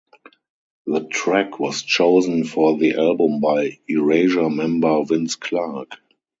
The track was chosen for the album by Erasure member Vince Clarke.